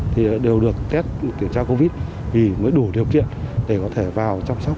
thì đều được test kiểm tra covid vì mới đủ điều kiện để có thể vào chăm sóc